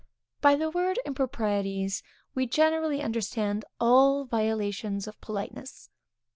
By the word improprieties, we generally understand all violations of politeness.